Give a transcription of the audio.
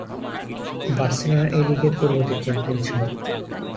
Barcelona এই লীগের পূর্ববর্তী চ্যাম্পিয়ন ছিল।